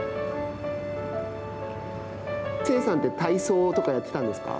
聖さんって体操とかやってたんですか。